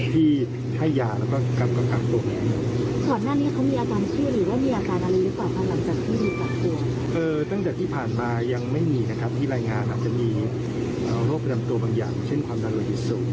เท่นงานที่จะมีโรคประจำตัวบางอย่างเช่นความในกลางไว้ผิดสุข